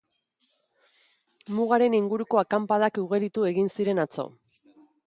Mugaren inguruko akanpadak ugaritu egin ziren atzo.